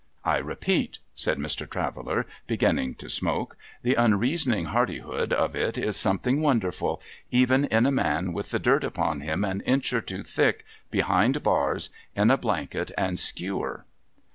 I repeat,' said Mr. Traveller, beginning to smoke, ' the unreasoning hardihood of it is something wonderful — even in a man with the dirt upon him an inch or two thick — behind bars — in a blanket and skewer